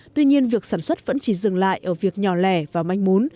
tuy nhiên việc sản xuất vẫn chỉ dừng lại ở việc nhỏ lẻ và manh mún